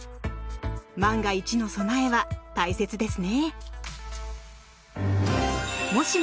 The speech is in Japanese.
万が一の備えは大切ですね。